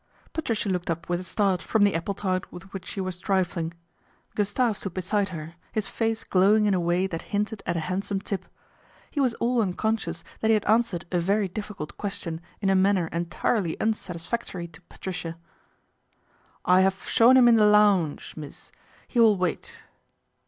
Patricia looked up with a start from the apple tart with which she was trifling. Gustave stood PATRICIA'S REVENGE 63 reside her, his face glowing in a way that hinted it a handsome tip. He was all unconscious that ie had answered a very difficult question in a nanner entirely unsatisfactory to Patricia. " I haf show him in the looaunge, mees. He will wait."